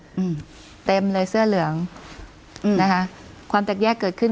อืมเต็มเลยเสื้อเหลืองอืมนะคะความแตกแยกเกิดขึ้น